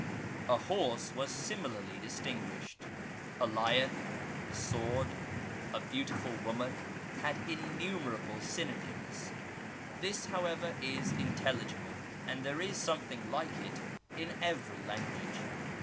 A horse wacl similarly distinguished; a lion, a sword, a beautiftil woman had innumerable synonyms. This^ however, is intelligible, and there is something like it The Arabic Language. .9 in every language.